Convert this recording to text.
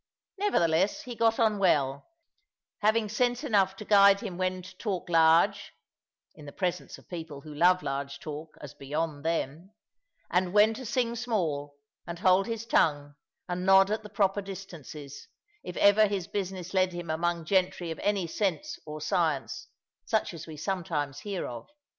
Nevertheless he got on well, having sense enough to guide him when to talk large (in the presence of people who love large talk, as beyond them), and when to sing small, and hold his tongue, and nod at the proper distances, if ever his business led him among gentry of any sense or science, such as we sometimes hear of.